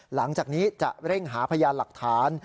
หลังจากนี้จะเร่งหาพยานหลักฐาน